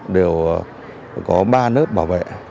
đều có ba nớp bảo vệ